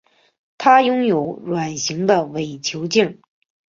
它拥有卵形的伪球茎。